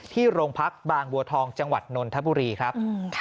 โรงพักบางบัวทองจังหวัดนนทบุรีครับ